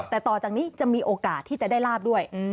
แต่ต่อจากนี้จะมีโอกาสที่จะได้ลาบด้วย